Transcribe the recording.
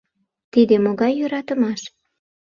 Тиде могай йӧратымаш?